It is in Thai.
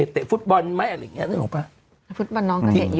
เตะฟุตบอลไหมอะไรอย่างเงี้นึกออกป่ะ